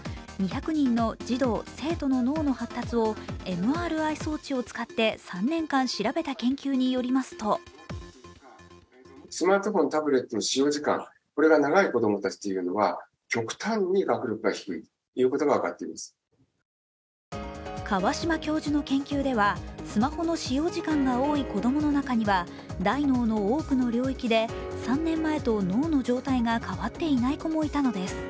２００人の児童生徒の脳の発達をＭＲＩ装置を使って３年間調べた研究によりますと川島教授の研究ではスマホの使用時間が多い子供の中には大脳の多くの領域で３年前と脳の状態が変わっていない子もいたのです。